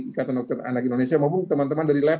ikatan dokter anak indonesia maupun teman teman dari lab